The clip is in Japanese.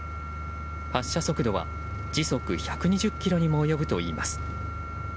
発射速度は時速１２０キロにも及ぶといいます。